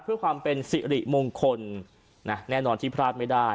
เพื่อความเป็นสิริมงคลแน่นอนที่พลาดไม่ได้